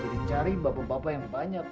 jadi cari bapak bapak yang banyak